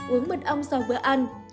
năm uống mật ong sau bữa ăn